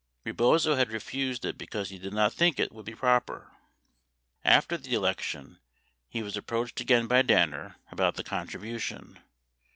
Rebozo had refused it because he did not think it would be proper. After the election, he was approached again by Danner about the contribution.